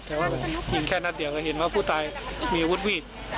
แต่ว่ายิงแค่นั้นเดียวก็เห็นว่าผู้ตายมีวุฒิวีด